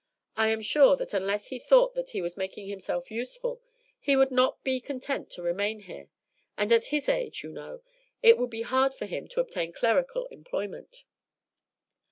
I am sure that unless he thought that he was making himself useful he would not be content to remain here; and at his age, you know, it would be hard for him to obtain clerical employment."